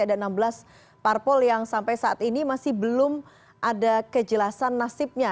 ada enam belas parpol yang sampai saat ini masih belum ada kejelasan nasibnya